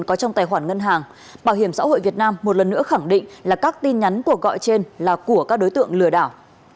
có trong tài khoản ngân hàng bảo hiểm xã hội việt nam một lần nữa khẳng định là các tin nhắn cuộc gọi trên là của các đối tượng lừa đảo